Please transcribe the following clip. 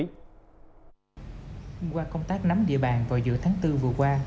qua công tác nắm địa bàn vào giữa tháng bốn vừa qua